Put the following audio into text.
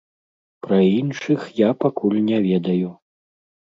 Пра іншых я пакуль не ведаю.